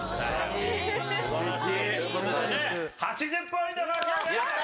８０ポイント獲得！